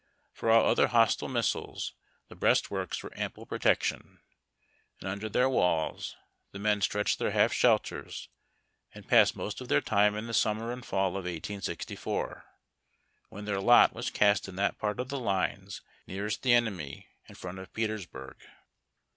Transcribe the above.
For all other hostile missiles the breastworks were ample protection, and under their walls the men stretched their half shelters and passed mokt of their time in the summer and fall of 1864^ when their lot was cast in that part of the lines nearest the enemy in front of Petersburg.